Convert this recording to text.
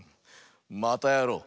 またやろう！